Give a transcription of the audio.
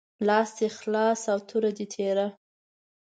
لاس دي خلاص او توره دي تیره